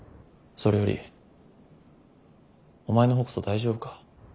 それよりお前の方こそ大丈夫か？